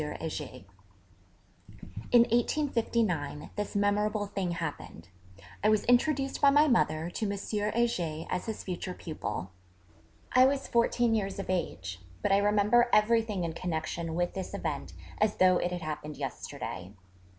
Heger_. In 1859 this memorable thing happened: I was introduced by my mother to M. Heger as his future pupil. I was fourteen years of age: but I remember everything in connection with this event as though it had happened yesterday.